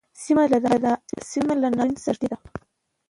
سیمه له ناورین سره نږدې ده.